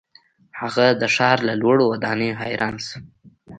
هغه د ښار له لوړو ودانیو حیران شو.